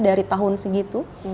dari tahun segitu